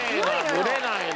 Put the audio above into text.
ブレないな。